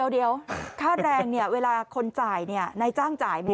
เดี๋ยวค่าแรงเวลาคนจ่ายนายจ้างจ่ายไม่ได้หรือ